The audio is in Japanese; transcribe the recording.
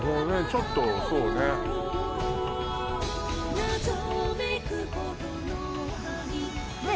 ちょっとそうね